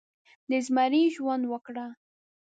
د زمري ژوند وکړه